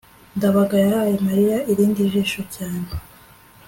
ndabaga yahaye mariya irindi jisho cyane